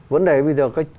vấn đề bây giờ